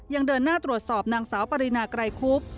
เดินหน้าตรวจสอบนางสาวปรินาไกรคุบ